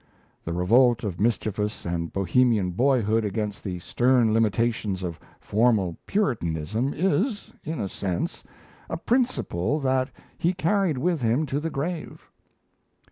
The revolt of mischievous and Bohemian boyhood against the stern limitations of formal Puritanism is, in a sense, a principle that he carried with him to the grave.